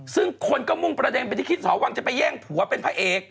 ซึ่งคนก็มุ่งประเด็นไปที่คิดสอวังจะไปแย่งผัวเป็นพระเอก